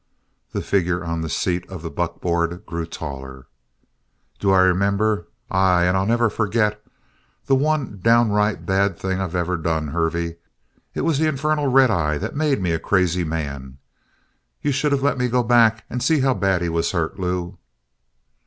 The figure on the seat of the buckboard grew taller. "Do I remember? Aye, and I'll never forget! The one downright bad thing I've ever done, Hervey. It was the infernal red eye that made me a crazy man. You should of let me go back and see how bad he was hurt, Lew!"